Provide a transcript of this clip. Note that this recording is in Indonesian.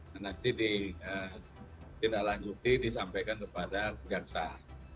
nanti tidak lanjuti disampaikan kepada bujang sah